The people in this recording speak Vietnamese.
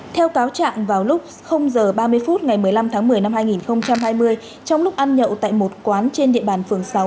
theo cáo trạng vào lúc h ba mươi phút ngày một mươi năm tháng một mươi năm hai nghìn hai mươi trong lúc ăn nhậu tại một quán trên địa bàn phường sáu